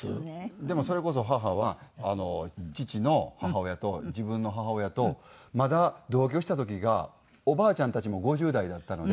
でもそれこそ母は父の母親と自分の母親とまだ同居した時がおばあちゃんたちも５０代だったので。